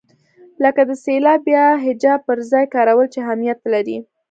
لکه د سېلاب یا هجا پر ځای کارول چې اهمیت لري.